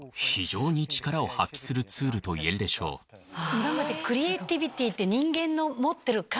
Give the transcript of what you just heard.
今までクリエーティビティーって。